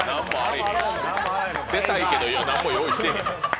出たいけど何も用意してへん。